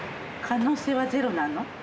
可能性はゼロなの？